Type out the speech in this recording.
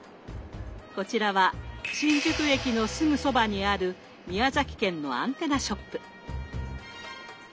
こちらは新宿駅のすぐそばにある宮崎県のアンテナショップ。